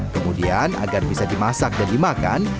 kemudian agar bisa dimasak dan dimakan